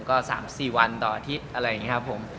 ก็๓๔วันต่ออาทิตย์อะไรอย่างนี้ครับผม